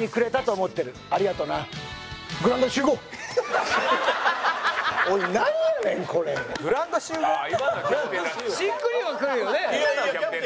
しっくりはくるよね。